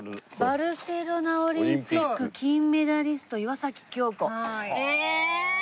「バルセロナオリンピック金メダリスト岩崎恭子」えすごい！